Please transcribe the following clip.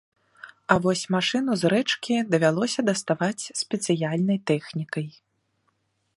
А вось машыну з рэчкі давялося даставаць спецыяльнай тэхнікай.